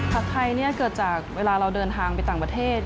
ไทยเกิดจากเวลาเราเดินทางไปต่างประเทศ